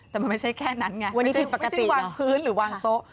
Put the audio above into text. แต่มันไม่ใช่แค่นั้นไงที่วางพื้นหรือวางโต๊ะ